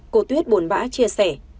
cô tuyết buồn bã chia sẻ